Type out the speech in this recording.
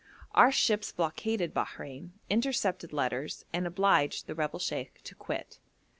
Our ships blockaded Bahrein, intercepted letters, and obliged the rebel sheikh to quit.